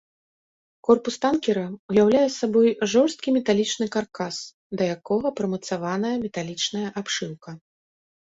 Корпус танкера ўяўляе сабой жорсткі металічны каркас, да якога прымацаваная металічная абшыўка.